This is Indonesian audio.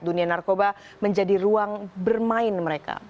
dunia narkoba menjadi ruang bermain mereka